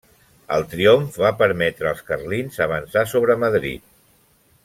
El triomf va permetre als carlins avançar sobre Madrid.